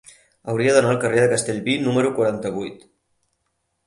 Hauria d'anar al carrer de Castellví número quaranta-vuit.